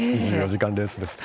２４時間レースです。